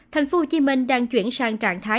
tp hcm đang chuyển sang trạng thái